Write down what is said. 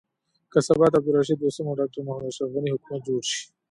که سبا ته د عبدالرشيد دوستم او ډاکټر محمد اشرف حکومت جوړ شي.